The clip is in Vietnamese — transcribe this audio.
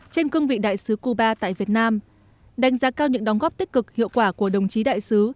trên cương vị đại sứ cuba tại việt nam đánh giá cao những đóng góp tích cực hiệu quả của đồng chí đại sứ